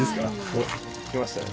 おっきましたね。